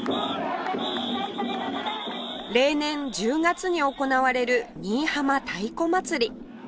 例年１０月に行われる新居浜太鼓祭り